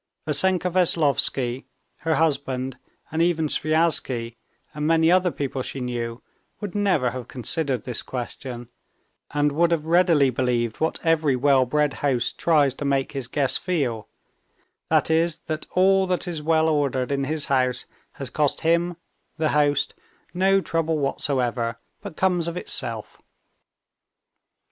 Vassenka Veslovsky, her husband, and even Sviazhsky, and many other people she knew, would never have considered this question, and would have readily believed what every well bred host tries to make his guests feel, that is, that all that is well ordered in his house has cost him, the host, no trouble whatever, but comes of itself.